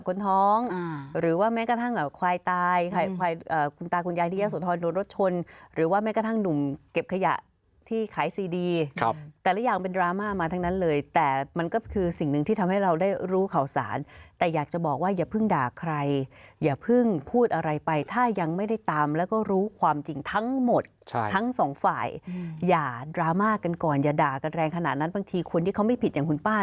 คุณหนุ่มเจอมาเยอะค่ะค่ะค่ะค่ะค่ะค่ะค่ะค่ะค่ะค่ะค่ะค่ะค่ะค่ะค่ะค่ะค่ะค่ะค่ะค่ะค่ะค่ะค่ะค่ะค่ะค่ะค่ะค่ะค่ะค่ะค่ะค่ะค่ะค่ะค่ะค่ะค่ะค่ะค่ะค่ะค่ะค่ะค่ะค่ะค่ะค่ะค่ะค่ะค่ะค่ะค่ะ